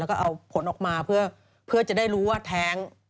แล้วก็เอาผลออกมาเพื่อจะได้รู้ว่าแท้ง